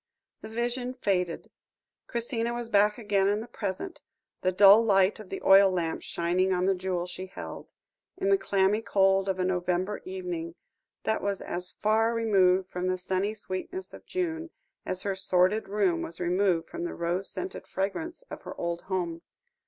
The vision faded. Christina was back again in the present the dull light of the oil lamp shining on the jewel she held in the clammy cold of a November evening, that was as far removed from the sunny sweetness of June, as her sordid room was removed from the rose scented fragrance of her old home.